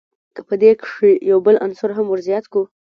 که په دې کښي یو بل عنصر هم ور زیات کو.